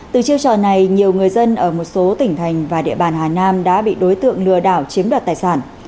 từ chiêu trò này nhiều người dân ở một số tỉnh thành và địa bàn hà nam đã bị đối tượng lừa đảo chiếm đoạt tài sản